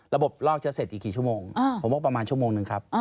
ระบบลอกจะเสร็จอีกกี่ชั่วโมงผมว่าประมาณชั่วโมงนึงครับ